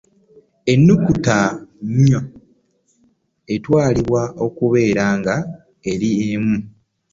Ennukuta NY etwalibwa okubeera nga eri emu.